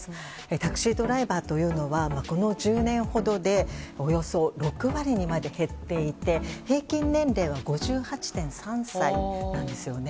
タクシードライバーというのはこの１０年ほどでおよそ６割にまで減っていて、平均年齢は５８．３歳なんですよね。